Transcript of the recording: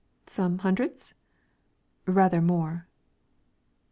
"Some hundreds?" "Rather more."